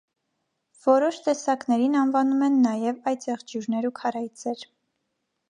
Որոշ տեսակներին անվանում են նաև այծեղջյուրներ ու քարայծեր։